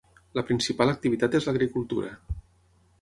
La principal activitat és l'agricultura.